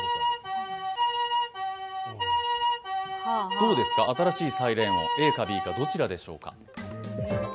どうですか、新しいサイレン音、ＡかＢかどちらでしょうか。